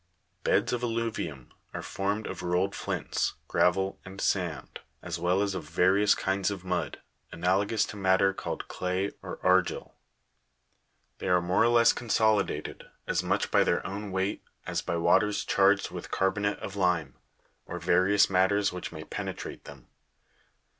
Beds of alluvium are formed of rolled flints, gravel, and sand, as well as of various kinds of mud, analogous to matter called clay or argil. They are more or less consolidated, as much by their own weight, as by waters charged with carbonate of lime, or various matters which may penetrate them.